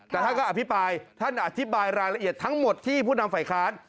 แต่ท่านก็อภิปรายท่านอธิบายรายละเอียดทั้งหมดที่ผู้นำฝ่ายค้าน